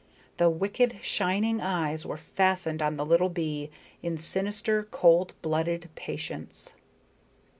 The wicked shining eyes were fastened on the little bee in sinister, cold blooded patience.